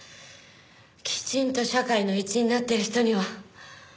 きちんと社会の一員になってる人には。